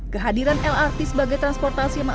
kehadiran lrt sebagai transportasi